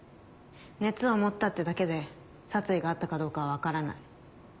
熱を持ったってだけで殺意があったかどうかは分からない。